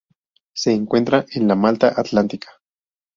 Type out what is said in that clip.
Se encuentra en la Mata Atlántica.